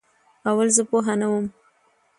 اول زه پوهه نه وم